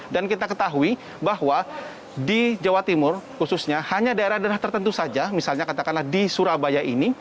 dan kita ketahui bahwa di jawa timur khususnya hanya daerah daerah tertentu saja misalnya katakanlah di surabaya ini